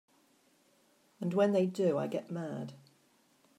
And when they do I get mad.